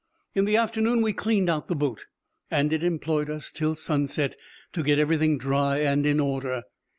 In the afternoon we cleaned out the boat, and it employed us till sunset to get everything dry and in order.